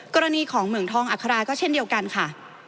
กรณีของเหมืองทองอัคราก็เช่นเดียวกันค่ะ